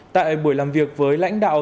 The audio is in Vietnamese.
tại buổi làm việc với lãnh đạo